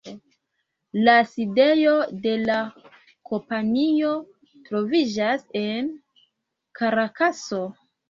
La sidejo de la kompanio troviĝas en Karakaso.